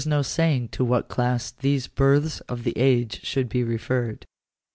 213 no saying to what class these births of the age should be referred.